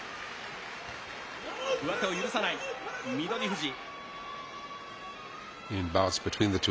上手を許さない、翠富士。